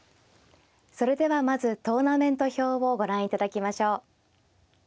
それではまずトーナメント表をご覧いただきましょう。